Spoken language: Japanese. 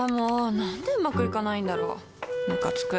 何でうまくいかないんだろうムカつく